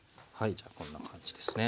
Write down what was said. じゃあこんな感じですね。